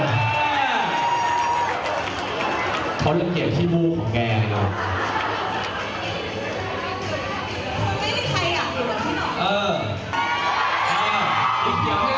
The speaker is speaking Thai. เขาระเกียบที่ฟู้ของแกอะไรหรอ